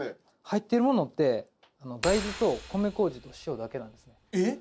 入ってるものって大豆と米麹と塩だけなんですねえっ？